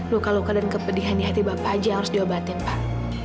luka luka dan kepedihan di hati bapak aja yang harus diobatin pak